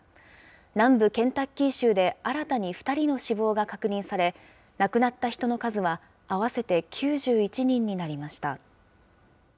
南部ケンタッキー州で新たに２人の死亡が確認され、亡くなった人の数は合わせて９１人になりました。